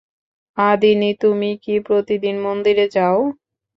আধিনি, তুমি কি প্রতিদিন মন্দিরে যাও?